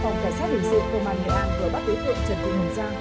phòng cảnh sát hình sự công an nghệ an và bắc đức tượng trần vĩnh hùng giang